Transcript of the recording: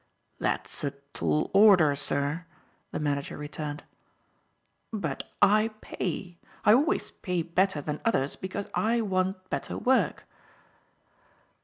"That's a tall order, sir," the manager returned. "But I pay. I always pay better than others because I want better work."